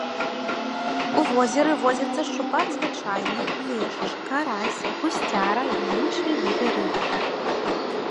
У возеры водзяцца шчупак звычайны, лешч, карась, гусцяра і іншыя віды рыб.